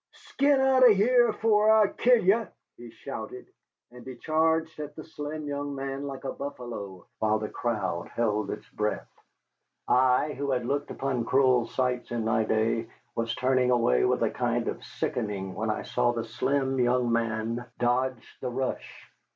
"Skin out o' here afore I kill ye," he shouted, and he charged at the slim young man like a buffalo, while the crowd held its breath. I, who had looked upon cruel sights in my day, was turning away with a kind of sickening when I saw the slim young man dodge the rush.